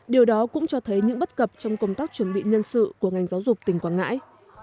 điều đó cũng cho thấy những bất cập trong công tác chuẩn bị nhân sự của ngành giáo dục tỉnh quảng ngãi